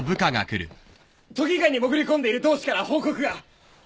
都議会に潜り込んでいる同志から報告が。